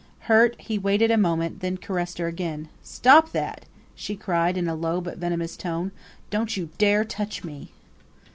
Hurt, he waited a moment, then caressed her again. "Stop that!" she cried in a low but venomous tone. "Don't you dare touch me!"